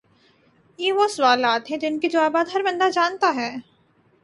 یہ وہ سوالات ہیں جن کے جوابات ہر بندہ جانتا ہے